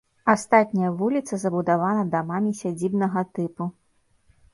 Астатняя вуліца забудавана дамамі сядзібнага тыпу.